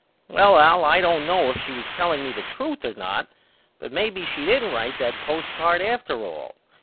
Well Al I don't know if she was telling me the truth or not but may be she didn't write that postcard after all.